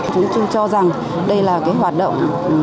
chúng tôi cho rằng đây là hoạt động